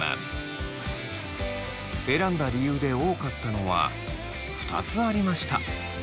選んだ理由で多かったのは２つありました。